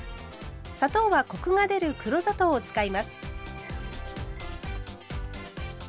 砂糖はコクが出る黒砂糖を使います。